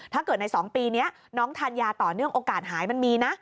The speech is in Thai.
ถ้าเกิดใน๒ปีนี้น้องทานยาต่อเนื่องโอกาสหายมันมีนะ